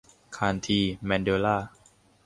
คานธี แมนเดลลา